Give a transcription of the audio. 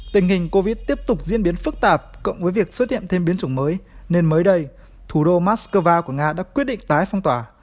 tình hình covid tiếp tục diễn biến phức tạp cộng với việc xuất hiện thêm biến chủng mới nên mới đây thủ đô moscow của nga đã quyết định tái phong tỏa